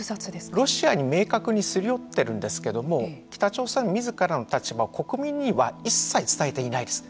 ロシアに明確にすり寄ってるんですけれども北朝鮮みずからの立場を国民には一切伝えていないです。